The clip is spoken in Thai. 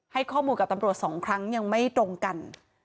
ให้ข้อมูลกับตำรวจสองครั้งยังไม่ตรงกัน